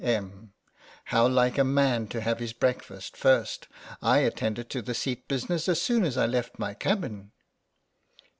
Em. : How like a man to have his break fast first. I attended to the seat business as soon as I left my cabin.